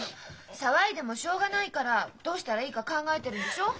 騒いでもしょうがないからどうしたらいいか考えてるんでしょう！